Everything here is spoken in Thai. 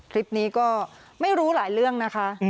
คลิปนี้ก็ไม่รู้หลายเรื่องนะคะ